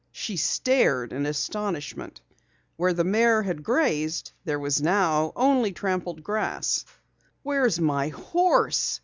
She stared in astonishment. Where the mare had grazed, there now was only trampled grass. "Where's my horse?"